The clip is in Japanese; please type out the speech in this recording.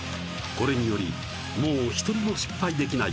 これによりもう一人も失敗できない